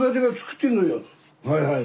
はいはい。